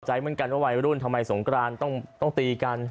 ใจเหมือนกันว่าวัยรุ่นทำไมสงกรานต้องตีกัน